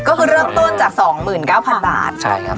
ก็คือเริ่มต้นจาก๒๙๐๐๐บาท